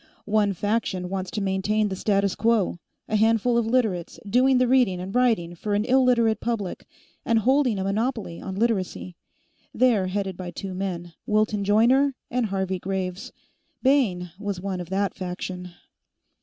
One faction wants to maintain the status quo a handful of Literates doing the reading and writing for an Illiterate public, and holding a monopoly on Literacy. They're headed by two men, Wilton Joyner and Harvey Graves. Bayne was one of that faction."